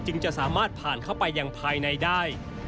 จะสามารถผ่านเข้าไปอย่างภายในได้